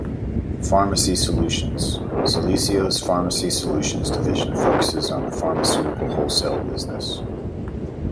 Pharmacy solutions: Celesio's Pharmacy Solutions division focuses on the pharmaceutical wholesale business.